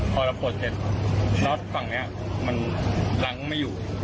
พอเราถอดเสร็จเช้าชอตฟังนี้มันล้างก็ไม่อยู่